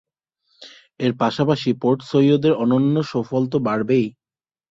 এর পাশাপাশি পোর্ট সৈয়দের অন্যান্য সুফল তো বাড়বেই।